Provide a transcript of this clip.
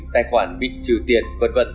tài khoản bị trừ tiền v v